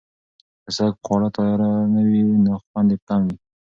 که سپک خواړه تازه نه وي، خوند یې کم وي.